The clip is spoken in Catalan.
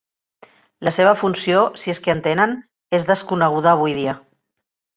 La seva funció, si és que en tenen, és desconeguda avui dia.